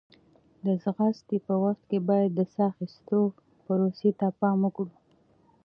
د ځغاستې په وخت کې باید د ساه اخیستو پروسې ته پام وکړو.